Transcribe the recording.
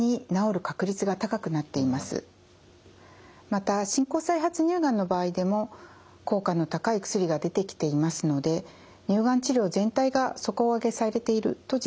また進行・再発乳がんの場合でも効果の高い薬が出てきていますので乳がん治療全体が底上げされていると実感しています。